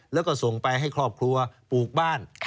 แล้วก็ส่งไปให้ครอบครัวปลูกบ้าน